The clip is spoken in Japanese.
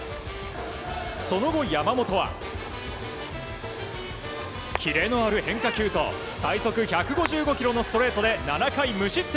その後山本はキレのある変化球と最速１５５キロのストレートで７回無失点。